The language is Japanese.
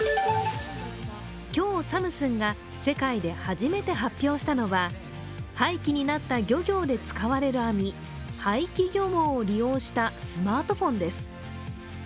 今日、サムスンが世界で初めて発表したのは廃棄になった漁業で使われる網、廃棄漁網を利用したスマートフォンです。